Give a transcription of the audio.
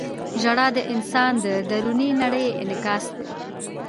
• ژړا د انسان د دروني نړۍ انعکاس دی.